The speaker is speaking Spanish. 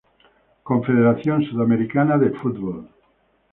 Confederación Sudamericana de Fútbol